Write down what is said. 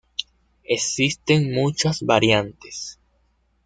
Existen muchas variantes.